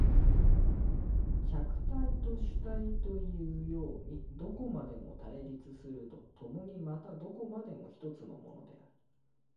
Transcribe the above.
客体と主体というようにどこまでも対立すると共にまたどこまでも一つのものである。